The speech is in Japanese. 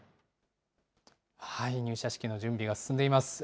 入社式の準備が進んでいます。